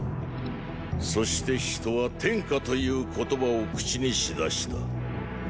そして人は“天下”という言葉を口にしだした。